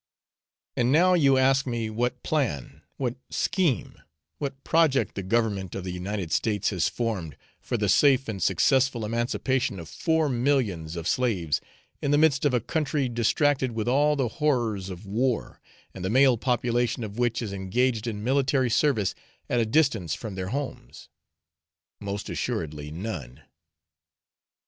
And now you ask me what plan, what scheme, what project the government of the United States has formed for the safe and successful emancipation of four millions of slaves, in the midst of a country distracted with all the horrors of war, and the male population of which is engaged in military service at a distance from their homes? Most assuredly none.